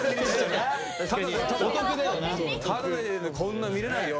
タダでこんな見れないよ